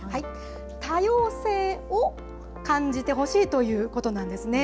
多様性を感じてほしいということなんですね。